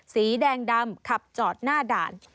สีแดงดำขับจอดหน้าด่าน